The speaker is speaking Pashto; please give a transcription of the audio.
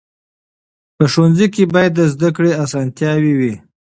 په ښوونځي کې باید د زده کړې اسانتیاوې وي.